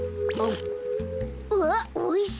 うわっおいしい。